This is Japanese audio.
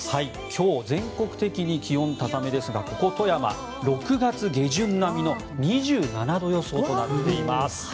今日、全国的に気温高めですがここ富山、６月下旬並みの２７度予想となっています。